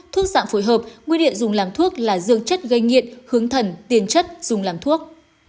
thuốc dạng phối hợp nguyên điện dùng làm thuốc là dương chất gây nghiện hướng thần tiền chất dùng làm thuốc